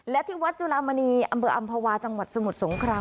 และที่วัดจุลามณีอำเภออำภาวาจังหวัดสมุทรสงคราม